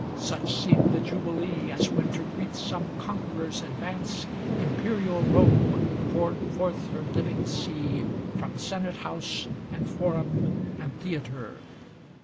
Such seemed the jubilee As when to greet some conqueror's ad vance Imperial Rome poured forth her living sea From senate house, and forum, and theatre.